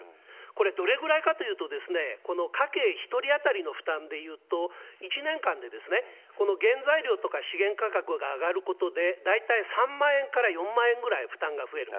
これ、どれぐらいかというと、この家計１人当たりの負担でいうと、１年間で、この原材料とか資源価格が上がることで大体３万円から４万円ぐらい負担が増える。